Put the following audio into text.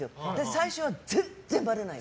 最初は全然ばれないの。